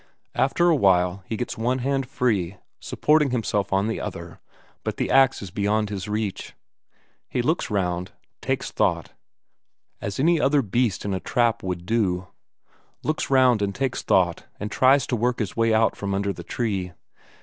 After a while he gets one hand free, supporting himself on the other, but the ax is beyond his reach. He looks round, takes thought, as any other beast in a trap would do; looks round and takes thought and tries to work his way out from under the tree.